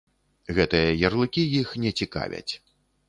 Гэтыя ярлыкі іх не цікавяць.